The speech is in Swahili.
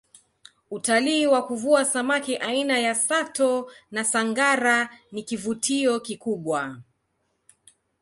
utalii wa kuvua samaki aina ya sato na sangara ni kivutio kikubwa